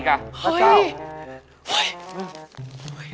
งั้นนี่